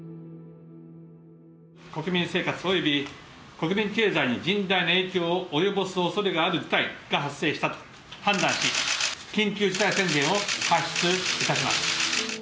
国民生活および国民経済に甚大な影響を及ぼすおそれがある事態が発生したと判断し緊急事態宣言を発出いたします。